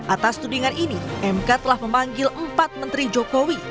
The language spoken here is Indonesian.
atas tudingan ini mk telah memanggil empat menteri jokowi